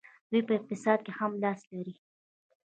دوی په اقتصاد کې هم لاس لري.